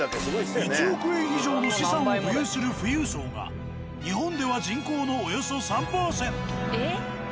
１億円以上の資産を保有する富裕層が日本では人口のおよそ３％。えっ？